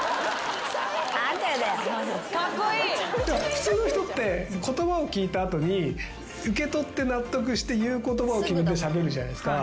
普通の人って言葉を聞いた後に受け取って納得して言う言葉を決めてしゃべるじゃないですか。